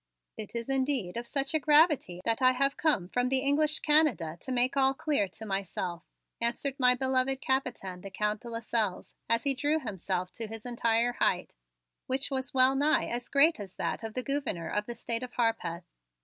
"It is indeed of such a gravity that I have come from the English Canada to make all clear to myself," answered my beloved Capitaine, the Count de Lasselles, as he drew himself to his entire height, which was well nigh as great as that of the Gouverneur of the State of Harpeth.